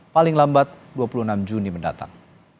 paling lambat dua puluh enam juni mendatang